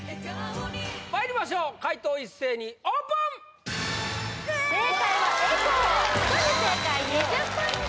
まいりましょう解答一斉にオープン正解は「ＥＣＨＯ」１人正解２０ポイント